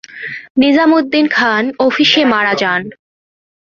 নিজাম উদ্দিন খান অফিসে মারা যান।